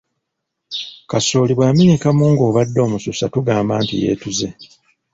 Kasooli bw’amenyekamu ng’obadde omususa tugamba nti yeetuze.